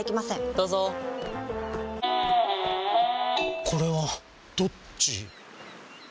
どうぞこれはどっち？